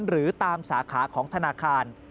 หรือตามสาขาของธนาคาร